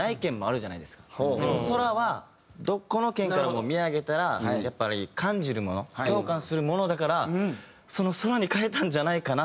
でも空はどこの県からも見上げたらやっぱり感じるもの共感するものだから「空」に変えたんじゃないかな。